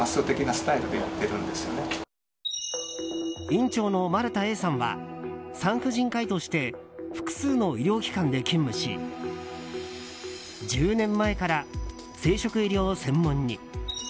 院長の丸田英さんは産婦人科医として複数の医療機関で勤務し１０年前から生殖医療専門に。